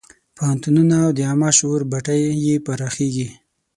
پوهنتونونه او د عامه شعور بټۍ یې پراخېږي.